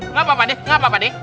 nggak apa apa deh